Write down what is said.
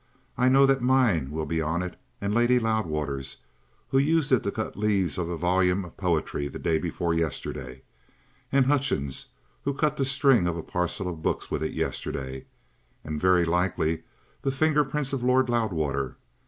I know that mine will be on it, and Lady Loudwater's, who used it to cut the leaves of a volume of poetry the day before yesterday, and Hutchings', who cut the string of a parcel of books with it yesterday, and very likely the fingerprints of Lord Loudwater.